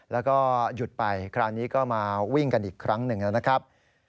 แล้วก็หยุดไปคราวนี้ก็มาวิ่งกันอีกครั้งหนึ่งนะครับ